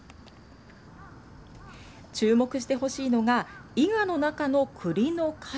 注目してほしいのが、イガの中のくりの数。